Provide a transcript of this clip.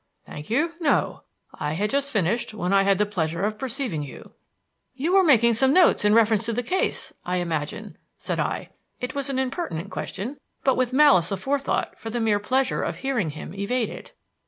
"Thank you, no. I had just finished when I had the pleasure of perceiving you." "You were making some notes in reference to the case, I imagine," said I. It was an impertinent question, put with malice aforethought for the mere pleasure of hearing him evade it.